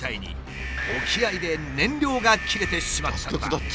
沖合で燃料が切れてしまったのだ。